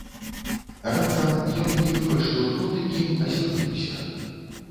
Раптам ён, нібы падштурхнуты кім, азірнуўся.